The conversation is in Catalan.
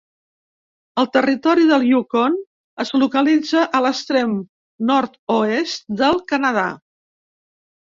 El territori del Yukon es localitza a l'extrem nord-oest del Canadà.